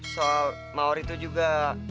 soal maury itu juga